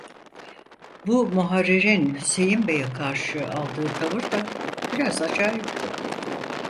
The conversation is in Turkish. Bu muharririn Hüseyin beye karşı aldığı tavır da biraz acayipti.